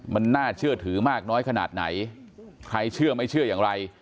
มันน่าเชื่อถือมากน้อยขนาดไหนใครเชื่อไม่เชื่ออย่างไร